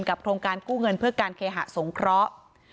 โครงการกู้เงินเพื่อการเคหะสงเคราะห์